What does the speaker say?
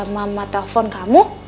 mama telpon kamu